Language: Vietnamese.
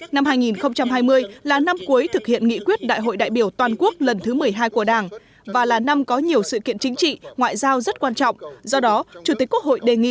năm hai nghìn hai mươi là năm cuối thực hiện nghị quyết đại hội đại biểu toàn quốc lần thứ một mươi hai của đảng và là năm có nhiều sự kiện chính trị ngoại giao rất quan trọng do đó chủ tịch quốc hội đề nghị